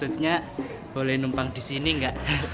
maksudnya boleh numpang disini gak